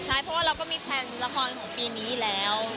ใช่เพราะว่าเราก็มีแพลนละครของปีนี้แล้ว